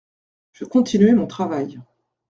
Je continuai mon travail.